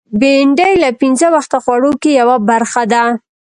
بېنډۍ له پینځه وخته خوړو کې یوه برخه ده